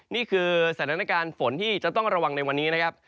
นี่คือสถานการณ์ฝนที่จะต้องระวังในวันนี้นะครับ